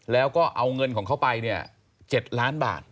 แล้วก็เอาเงินของเขาไปเนี่ย๗ล้านบาท